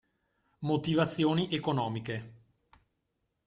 Motivazioni economiche.